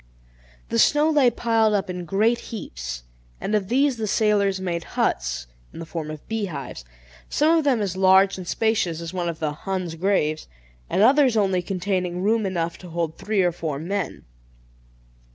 The snow lay piled up in great heaps, and of these the sailors made huts, in the form of bee hives, some of them as large and spacious as one of the "Huns' graves," and others only containing room enough to hold three or four men.